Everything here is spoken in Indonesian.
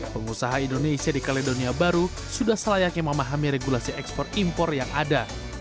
pengusaha indonesia di kaledonia baru sudah selayaknya memahami regulasi ekspor impor yang ada